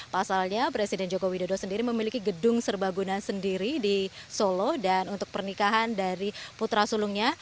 pasalnya presiden joko widodo sendiri memiliki gedung serbaguna sendiri di solo dan untuk pernikahan dari putra sulungnya